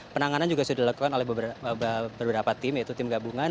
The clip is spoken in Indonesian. penanganan juga sudah dilakukan oleh beberapa tim yaitu tim gabungan